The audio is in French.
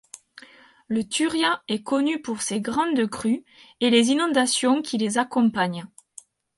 Le Turia est connu pour ses grandes crues, et les inondations qui les accompagnent.